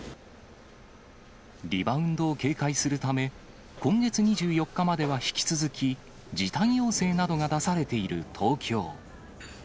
リバウンドを警戒するため、今月２４日までは引き続き、時短要請などが出されている東京。